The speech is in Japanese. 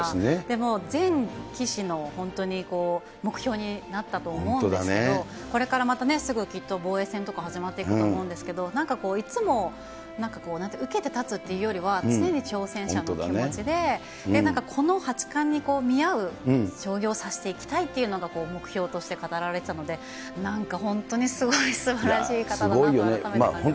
もう、全棋士の本当に目標になったと思うんですけど、これからまたすぐきっと防衛戦とか始まっていくと思うんですけど、なんかいつも、なんかこう、受けて立つというよりは、常に挑戦者の気持ちで、なんかこの八冠に見合う将棋を指していきたいというのが、目標として語られてたので、なんか本当にすごい、すばらしい方だなと改めて感じました。